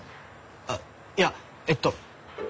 あっいやえっと。